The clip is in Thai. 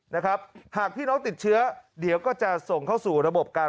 นะครับหากพี่น้องติดเชื้อเดี๋ยวก็จะส่งเข้าสู่ระบบการ